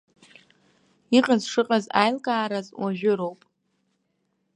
Иҟаз шыҟаз аилкаараз уажәыроуп.